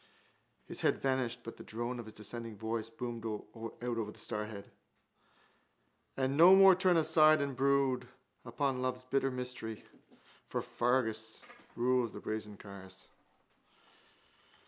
His head vanished but the drone of his descending voice boomed out of the stairhead: And no more turn aside and brood Upon love's bitter mystery For Fergus rules the brazen cars.